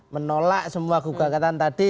menolak semua kegagatan tadi